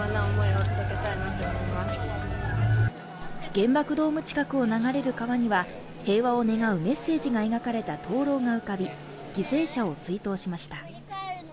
原爆ドーム近くを流れる川には平和を願うメッセージが書かれた灯籠が浮かび犠牲者を追悼しました。